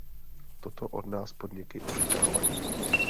Toto od nás podniky očekávají.